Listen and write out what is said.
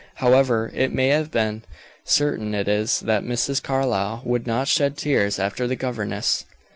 However it may have been, certain it is that Mrs. Carlyle would not shed tears after the governess.